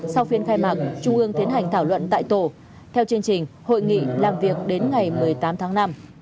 sau phiên khai mạc trung ương tiến hành thảo luận tại tổ theo chương trình hội nghị làm việc đến ngày một mươi tám tháng năm